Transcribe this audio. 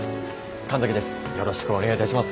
神崎です。